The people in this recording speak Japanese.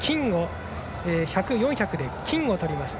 １００、４００で金をとりました。